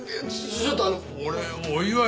おい！